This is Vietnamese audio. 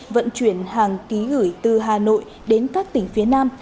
vận chuyển hàng ký gửi từ hà nội đến các tỉnh phía nam